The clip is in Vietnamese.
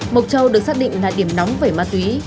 mộc châu được xác định là điểm nóng về ma túy